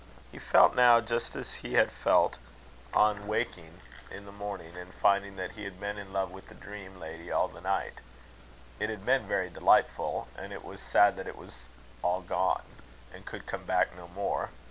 He felt now just as he had felt on waking in the morning and finding that he had been in love with a dream lady all the night: it had been very delightful, and it was sad that it was all gone, and could come back no more.